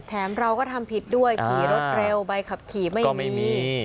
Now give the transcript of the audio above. เราก็ทำผิดด้วยขี่รถเร็วใบขับขี่ไม่มี